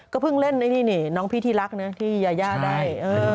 เพิ่งเล่นไอ้นี่น้องพี่ที่รักนะที่ยายาได้